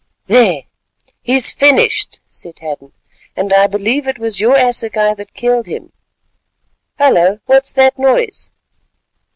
"There! he's finished," said Hadden, "and I believe it was your assegai that killed him. Hullo! what's that noise?"